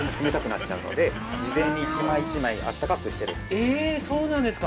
ええそうなんですか。